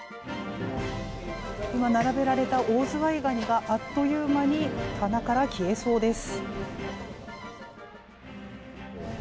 今、並べられたオオズワイガニがあっという間に棚から消えそうです。